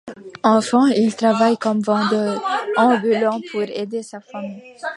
Enfant, il travaille comme vendeur ambulant pour aider sa famille.